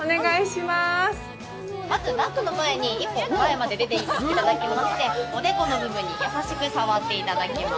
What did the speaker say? まず、ナックの前に１歩前まで出ていただきましておでこの部分に優しく触っていただきます。